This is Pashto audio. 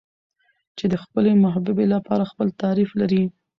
چې د خپلې محبوبې لپاره خپل تعريف لري.